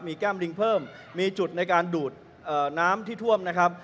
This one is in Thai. มีแก้มลิงเพิ่มมีจุดในการดูดน้ำที่ท่วมนะครับ